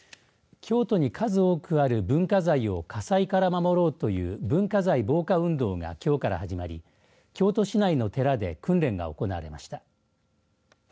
京都に数多くある文化財を火災から守ろうという文化財防火運動がきょうから始まり京都市内の寺で訓練が行われました。